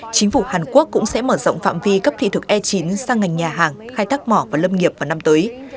chính phủ hàn quốc cũng sẽ mở rộng phạm vi cấp thị thực e chín sang ngành nhà hàng khai thác mỏ và lâm nghiệp vào năm tới